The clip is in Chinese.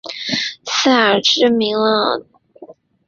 塞尔证明了这个定理的代数版本。